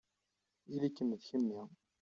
Ili-kem d kemmi.